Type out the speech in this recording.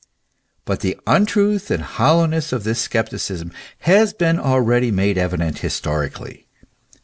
But the untruth and hollowness of this scepticism has been already made evident historically.